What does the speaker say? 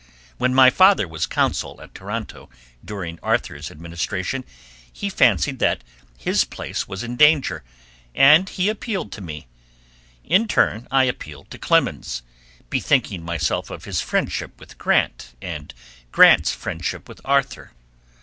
When my father was consul at Toronto during Arthur's administration, he fancied that his place was in danger, and he appealed to me. In turn I appealed to Clemens, bethinking myself of his friendship with Grant and Grant's friendship with Arthur.